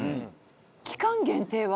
期間限定は？